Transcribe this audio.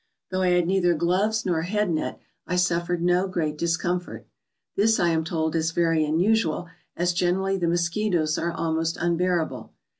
Though I had neither gloves nor head net I suffered no great discomfort. This, I am told, is very unusual, as generally the mosquitoes are almost unbear able.